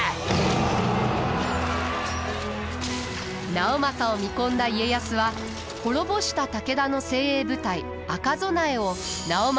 直政を見込んだ家康は滅ぼした武田の精鋭部隊赤備えを直政に預けました。